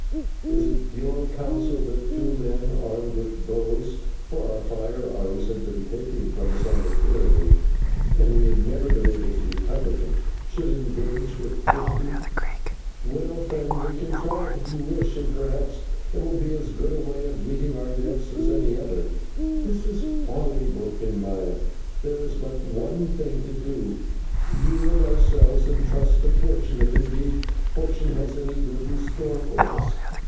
"It is your counsel that two men armed with bows" (for our firearms had been taken from us on the pyramid, and we had never been able to recover them) "should engage with fifty. Well, friend, we can try it if you wish, and perhaps it will be as good a way of meeting our deaths as any other." "This is folly," broke in Maya; "there is but one thing to do; yield ourselves and trust to fortune, if, indeed, fortune has any good in store for us.